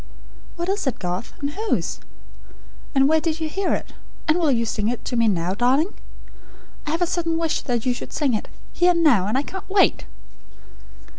'" "What is it, Garth? And whose? And where did you hear it? And will you sing it to me now, darling? I have a sudden wish that you should sing it, here and now; and I can't wait!"